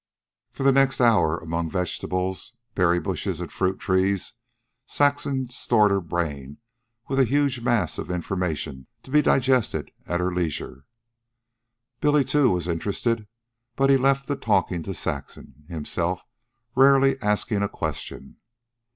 For the next hour, among vegetables, berry bushes and fruit trees, Saxon stored her brain with a huge mass of information to be digested at her leisure. Billy, too, was interested, but he left the talking to Saxon, himself rarely asking a question.